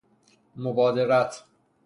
مبادرت